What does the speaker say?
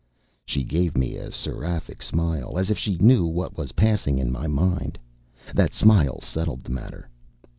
She gave me a seraphic smile, as if she knew what was passing in my mind. That smile settled the matter.